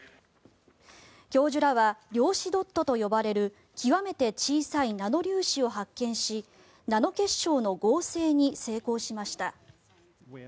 教授らは量子ドットと呼ばれる極めて小さいナノ粒子を発見しナノ結晶の合成に成功しました。